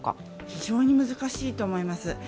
非常に難しいと思います。